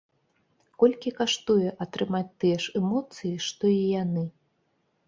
Колькі каштуе атрымаць тыя ж эмоцыі, што і яны?